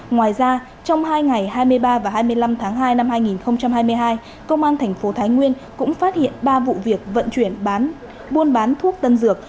ngoài ra trong hai ngày hai mươi ba và hai mươi năm tháng hai năm hai nghìn hai mươi hai công an thành phố thái nguyên cũng phát hiện ba vụ việc vận chuyển buôn bán thuốc tân dược